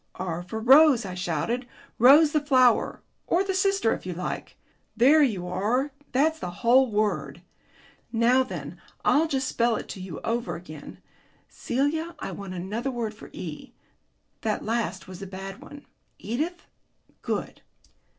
"R for Rose," I shouted. "Rose the flower or the sister if you like. There you are, that's the whole word. Now then, I'll just spell it to you over again.... Celia, I want another word for E. That last was a bad one." "Edith?" "Good."